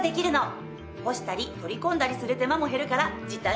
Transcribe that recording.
干したり取り込んだりする手間も減るから時短になるわよ！